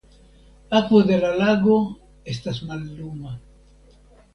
Akvo de la lago estas malluma.